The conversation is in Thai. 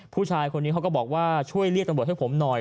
ผู้ชายคนนี้เขาก็บอกว่าช่วยเรียกตำรวจให้ผมหน่อย